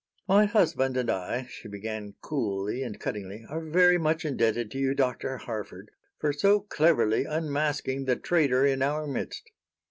"My husband and I," she began, coolly and cuttingly, "are very much indebted to you, Dr. Harford, for so cleverly unmasking the traitor in our midst.